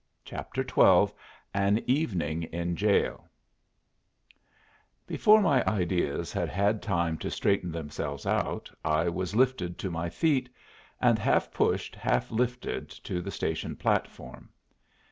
CHAPTER XII AN EVENING IN JAIL Before my ideas had had time to straighten themselves out, I was lifted to my feet, and half pushed, half lifted to the station platform.